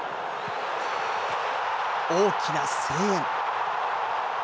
大きな声援。